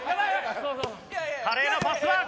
華麗なパスワーク！